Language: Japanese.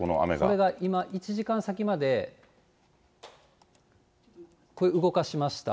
これが今、１時間先までこれ、動かしました。